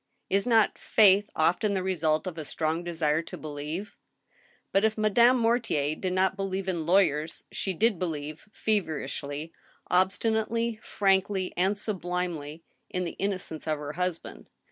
Is not faith often the result of a strong desire to believe ? But if Madame Mortier did not believe in lawyers she did believe, feverishly, obstinately, frankly, and sublimely, in the innocence of her husband.